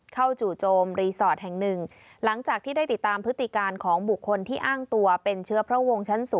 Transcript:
เข้าจู่โจมรีสอร์ตแห่งหนึ่ง